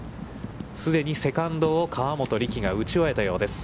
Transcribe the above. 既にセカンドを河本力が打ち終えたようです。